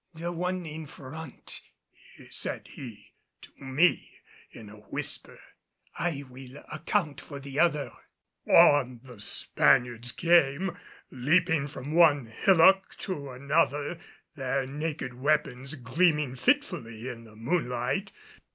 "The one in front," said he to me in a whisper, "I will account for the other." On the Spaniards came, leaping from one hillock to another, their naked weapons gleaming fitfully in the moonlight.